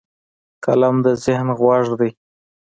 قلم د ذهن غوږ دی